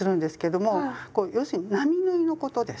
こう要するに並縫いのことです。